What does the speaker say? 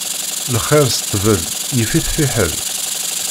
Lxiṛ s ṭṭbel, yif-it fiḥel.